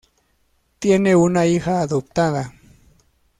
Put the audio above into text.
Tiene una hija adoptada.